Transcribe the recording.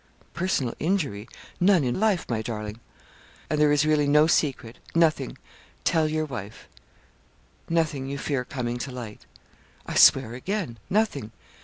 'Personal injury? None in life, my darling.' 'And there is really no secret nothing tell your wife nothing you fear coming to light?' 'I swear again, nothing.